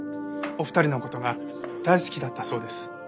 お二人の事が大好きだったそうです。